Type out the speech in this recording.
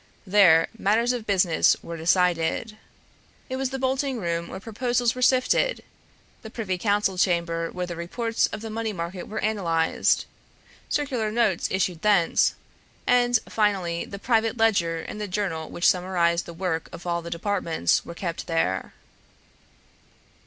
There, matters of business were decided. It was the bolting room where proposals were sifted; the privy council chamber where the reports of the money market were analyzed; circular notes issued thence; and finally, the private ledger and the journal which summarized the work of all the departments were kept there.